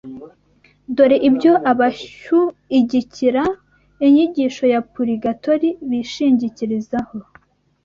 Dore ibyo abashyuigikira inyigisho ya Purigatori bishingikirizaho